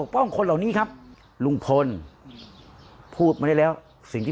โปรดติดตามต่อไป